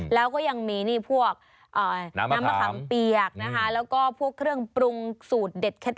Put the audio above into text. และที่พิเศษ